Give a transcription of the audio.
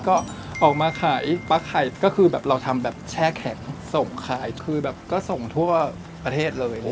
ก็ออกมาขายปลาไข่ก็คือแบบเราทำแบบแช่แข็งส่งขายคือแบบก็ส่งทั่วประเทศเลย